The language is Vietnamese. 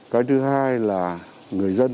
cái thứ hai là người dân